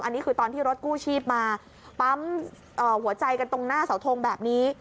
อันนี้คือตอนที่รถกู้ชีพมาปั๊มหัวใจกันตรงหน้าเสาทงแบบนี้